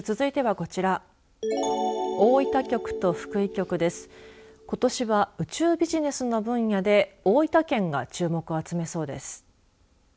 ことしは宇宙ビジネスの分野で大分県が注目を集めそうです。